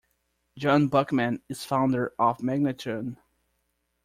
John Buckman is founder of Magnatune.